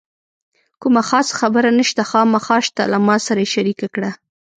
کومه خاصه خبره نشته، خامخا شته له ما سره یې شریکه کړه.